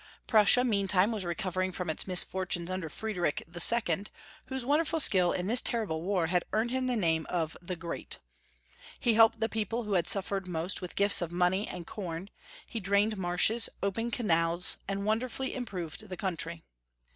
Prussia meantime was recovering from its misfortunes under Friedrich II., whose wonderful skill in this terrible war had earned him the name of the Great. He helped the people who had Buffered most with gifts of money and corn, he drained marshes, opened canals, and wonderfully im proved the country.